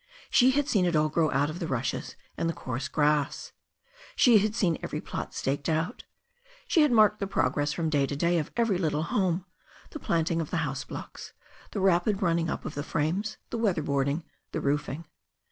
She had seen it all grow out of the rushes and the coarse grass. She had seen every plot staked out. She had marked the progress from day to day of every little home — ^the planting of tlfc houseblocks, the rapid running up of the frames, the weatherboarding, the roofing.